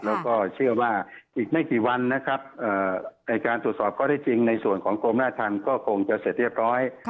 แล้วก็เชื่อว่าอีกไม่กี่วันนะครับในการตรวจสอบข้อได้จริงในส่วนของกรมราชธรรมก็คงจะเสร็จเรียบร้อย